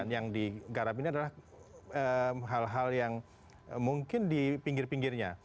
yang digarap ini adalah hal hal yang mungkin di pinggir pinggirnya